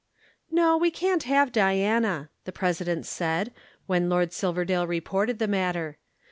"No, we can't have Diana," the President said, when Lord Silverdale reported the matter.